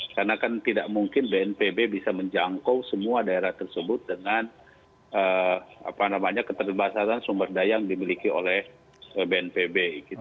karena kan tidak mungkin bnpb bisa menjangkau semua daerah tersebut dengan keterbaksaan sumber daya yang dimiliki oleh bnpb